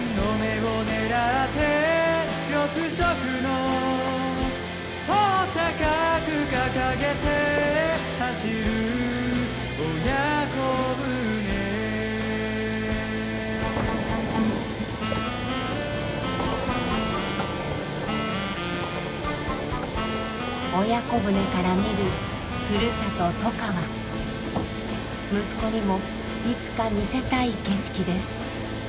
息子にもいつか見せたい景色です。